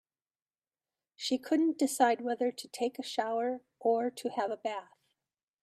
She couldn't decide whether to take a shower or to have a bath.